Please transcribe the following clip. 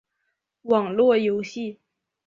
网络游戏